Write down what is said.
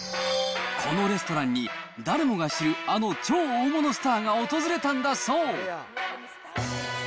このレストランに、誰もが知るあの超大物スターが訪れたんだそう。